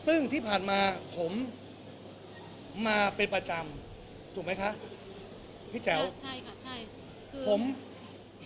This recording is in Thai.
ซึ่งที่ผ่านมาผมมาเป็นประจำถูกไหมคะพี่แจ๋วใช่ค่ะใช่คือผม